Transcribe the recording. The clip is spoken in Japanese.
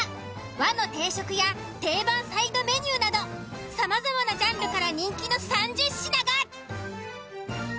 和の定食や定番サイドメニューなどさまざまなジャンルから人気の３０品が。